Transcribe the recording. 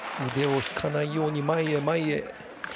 腕を引かないように前へ前へ。